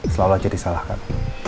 selalu aja disalahkan